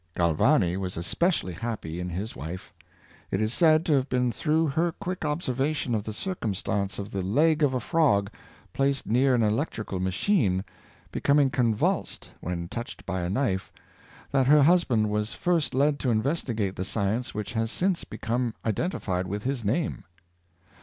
Galvani was especially happy in his wife. It is said to have been through her quick observation of the circumstance of the leg of a frog, placed near an electrical machine, becoming convulsed when touched by a knife, that her husband was first led to investigate the science which has since become identi fied with his name.